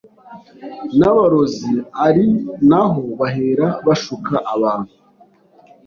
n’abarozi ari naho bahera bashuka abantu